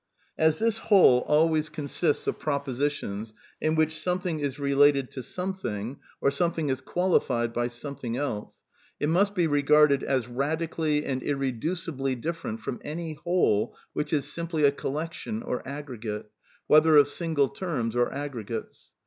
"As this whole always consists of propositions in which something is related to something, or something is qnali . fied hy something else, it must be r^arded as radically u and in^ncibly different from any whole which is simply 1 a collection or aggr^ate, whether of aingle terms or a^re Vgates.